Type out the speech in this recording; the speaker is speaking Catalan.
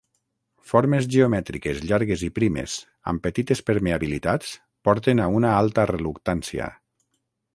Formes geomètriques llargues i primes amb petites permeabilitats porten a una alta reluctància.